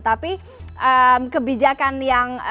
tapi kebijakan yang